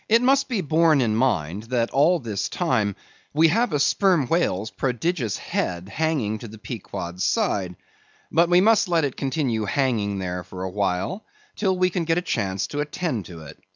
It must be borne in mind that all this time we have a Sperm Whale's prodigious head hanging to the Pequod's side. But we must let it continue hanging there a while till we can get a chance to attend to it.